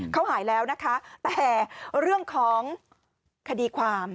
เขาหายแล้วนะคะแต่เรื่องของคดีความ